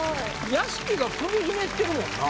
屋敷が首ひねってるもんな。